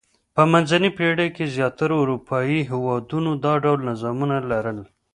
په منځنۍ پېړۍ کې زیاترو اروپايي هېوادونو دا ډول نظامونه لرل.